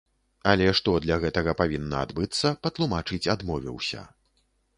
Але што для гэтага павінна адбыцца, патлумачыць адмовіўся.